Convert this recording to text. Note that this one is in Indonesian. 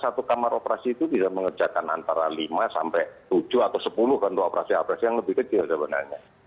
satu kamar operasi itu bisa mengerjakan antara lima sampai tujuh atau sepuluh kan untuk operasi operasi yang lebih kecil sebenarnya